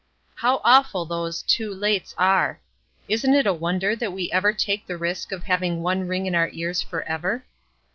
How awful those "too lates" are! Isn't it a wonder that we ever take the risk of having one ring in our ears forever?